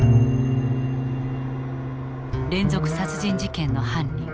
連続殺人事件の犯人